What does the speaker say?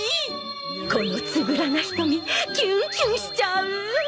このつぶらな瞳キュンキュンしちゃう。